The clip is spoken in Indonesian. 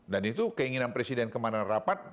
dan itu keinginan presiden kemarin rapat